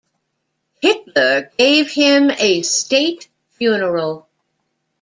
Hitler gave him a state funeral.